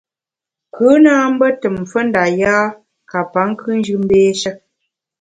Kù na mbe tùm mfe nda yâ ka pa nkùnjù mbééshe.